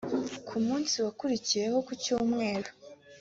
Ku munsi wakurikiyeho ku Cyumweru